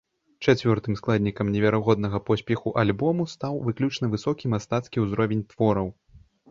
Чацвёртым складнікам неверагоднага поспеху альбому стаў выключна высокі мастацкі ўзровень твораў.